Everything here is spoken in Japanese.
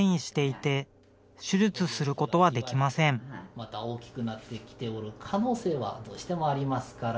また大きくなってきておる可能性はどうしてもありますから。